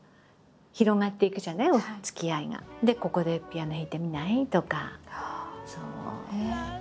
「ここでピアノ弾いてみない？」とか。